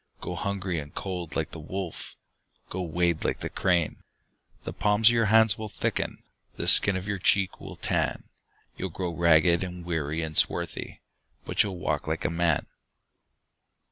Go hungry and cold like the wolf, Go wade like the crane:The palms of your hands will thicken, The skin of your cheek will tan, You 'll grow ragged and weary and swarthy, But you 'll walk like a man!